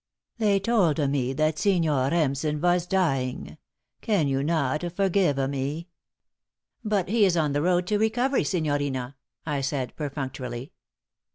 They tolda me that Signor Remsen was dying. Can you not forgiva me?" "But he is on the road to recovery, signorina," I said, perfunctorily.